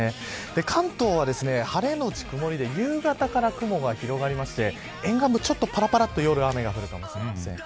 関東は晴れのち曇りで夕方から雲が広がって沿岸部、ぱらぱらと夜雨が降るかもしれません。